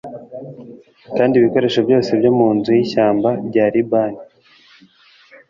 kandi ibikoresho byose byo mu Nzu y Ishyamba rya Libani